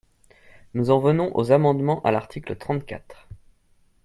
Nous en venons aux amendements à l’article trente-quatre.